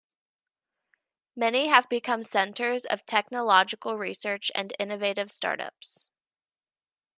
Many have become centres of technological research and innovative startups.